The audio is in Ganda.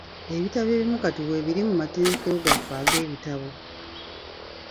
Ebitabo ebimu kati weebiri mu materekero gaffe ag'ebitabo.